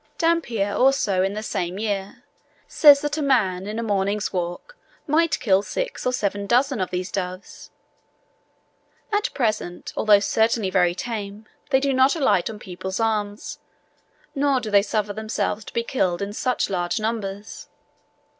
Dampier also, in the same year, says that a man in a morning's walk might kill six or seven dozen of these doves. At present, although certainly very tame, they do not alight on people's arms, nor do they suffer themselves to be killed in such large numbers.